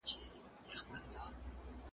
په هیڅ کي نسته مزه شیرینه .